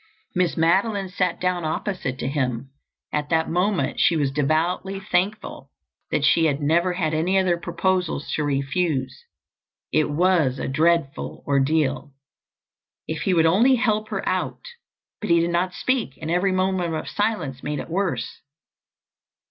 Miss Madeline sat down opposite to him. At that moment she was devoutly thankful that she had never had any other proposal to refuse. It was a dreadful ordeal. If he would only help her out! But he did not speak and every moment of silence made it worse.